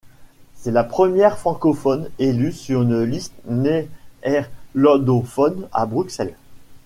C'est la première francophone élue sur une liste néerlandophone à Bruxelles.